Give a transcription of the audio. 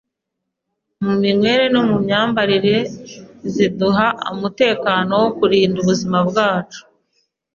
mu minywere no mu myambarire ziduha umutekano wo kurinda ubuzima bwacu